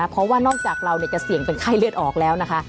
เพราะว่านอกจากเราจะเสี่ยงเป็นไข้เลือดออกแล้วนะคะ